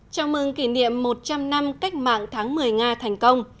chào mừng kỷ niệm một trăm linh năm cách mạng tháng một mươi nga thành công